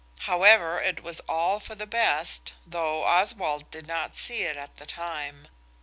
However, it was all for the best though Oswald did not see it at the time.